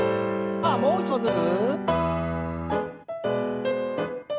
さあもう一度ずつ。